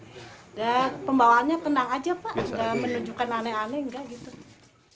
udah pembawaannya tenang aja pak gak menunjukkan aneh aneh nggak gitu